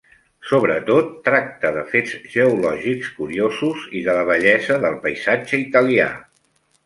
Sobretot tracta de fets geològics curiosos i de la bellesa del paisatge italià.